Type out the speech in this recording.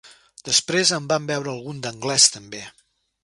Després en vam veure algun d'anglès, també.